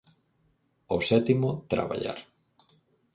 O sétimo, traballar.